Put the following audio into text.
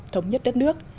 thống nhất đất nước